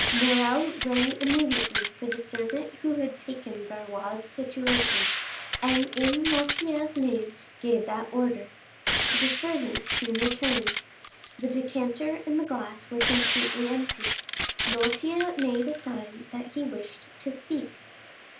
Morrel rang immediately for the servant who had taken Barrois's situation, and in Noirtier's name gave that order. The servant soon returned. The decanter and the glass were completely empty. Noirtier made a sign that he wished to speak.